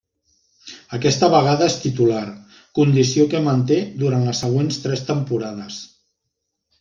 Aquesta vegada és titular, condició que manté durant les següents tres temporades.